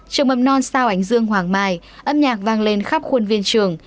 trường mầm non sao ánh dương hoàng mai âm nhạc vang lên khắp khuôn viên trường